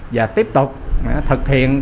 và tiếp tục thực hiện